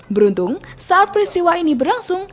beruntung saat peristiwa ini berlangsung